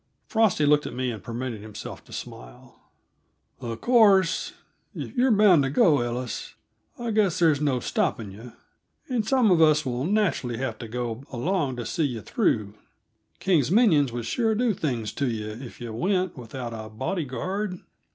Frosty looked at me, and permitted himself to smile. "Uh course, if you're bound to go, Ellis, I guess there's no stopping yuh and some of us will naturally have to go along to see yuh through. King's minions would sure do things to yuh if yuh went without a body guard."